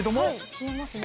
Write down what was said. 冷えますね。